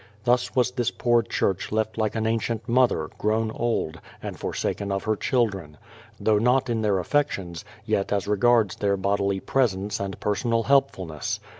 Thus was this poor church left like an ancient mother, grown old, and forsaken of her children, — though not in their affections, yet as regards their bodily presence and personal helpfulness.